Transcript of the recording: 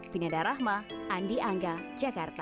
vinada rahma andi angga jakarta